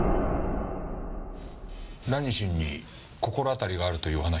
ラニシンに心当たりがあるというお話でしたね。